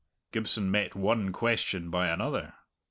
Gibson met one question by another.